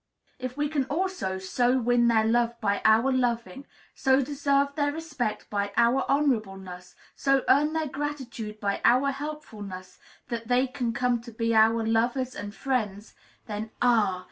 If we can also so win their love by our loving, so deserve their respect by our honorableness, so earn their gratitude by our helpfulness, that they come to be our "lovers and friends," then, ah!